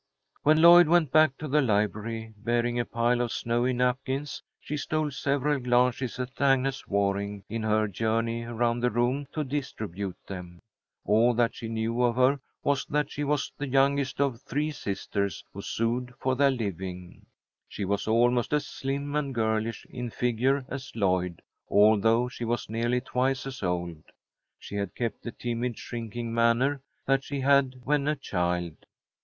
When Lloyd went back to the library, bearing a pile of snowy napkins, she stole several glances at Agnes Waring in her journey around the room to distribute them. All that she knew of her was that she was the youngest of three sisters who sewed for their living. She was almost as slim and girlish in figure as Lloyd, although she was nearly twice as old. She had kept the timid, shrinking manner that she had when a child.